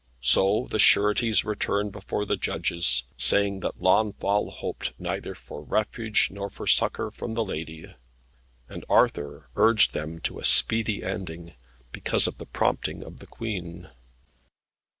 So the sureties returned before the judges, saying that Launfal hoped neither for refuge nor for succour from the lady, and Arthur urged them to a speedy ending, because of the prompting of the Queen.